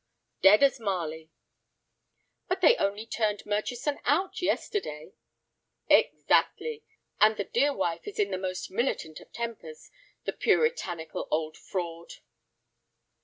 "Dead as Marley." "But they only turned Murchison out yesterday." "Exactly. And the dear wife is in the most militant of tempers, the Puritanical old fraud."